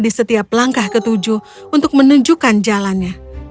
di setiap langkah ketujuh untuk menunjukkan jalannya